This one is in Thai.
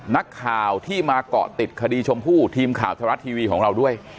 นักข่าวที่มาเกาะติดคดีชมพู่ทีมข่าวทรัฐทีวีของเราด้วย